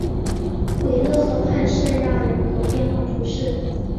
韦勒河畔圣让人口变化图示